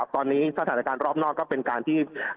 ตอนนี้สถานการณ์รอบนอกก็เป็นการที่